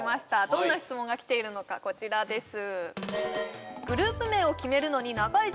どんな質問が来ているのかこちらです